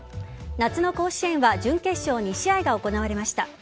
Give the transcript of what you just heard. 夏の甲子園は準決勝２試合が行われました。